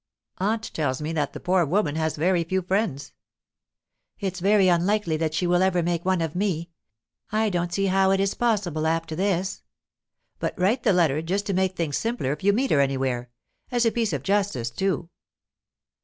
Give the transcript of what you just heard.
"Aunt tells me that the poor woman has very few friends." "It's very unlikely that she will ever make one of me. I don't see how it is possible, after this." "But write the letter, just to make things simpler if you meet anywhere. As a piece of justice, too."